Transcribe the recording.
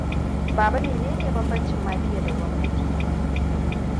Baba mene ne banbanci mafia da gwamnati?